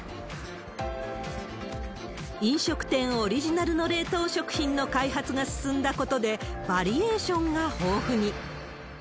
飲食店オリジナルの冷凍食品の開発が進んだことで、バリエーションが豊富に。